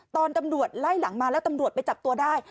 ตอนตำรวจไล่หลังมาแล้วตำรวจไปจับตัวได้